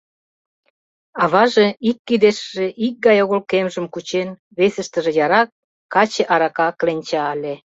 Аваже ик кидешыже икгай огыл кемжым кучен, весыштыже яра каче-арака кленча ыле.